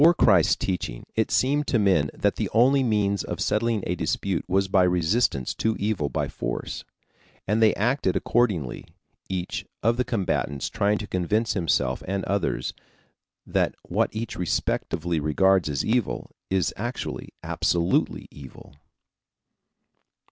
Before Christ's teaching, it seemed to men that the one only means of settling a dispute was by resistance to evil by force. And they acted accordingly, each of the combatants trying to convince himself and others that what each respectively regards as evil, is actually, absolutely evil.